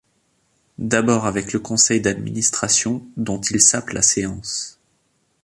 D'abord avec le conseil d'administration dont ils sapent la séance.